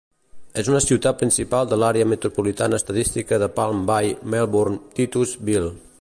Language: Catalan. És una ciutat principal de l'àrea metropolitana estadística de Palm Bay-Melbourne-Titusville.